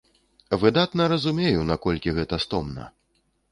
Выдатна разумею, наколькі гэта стомна.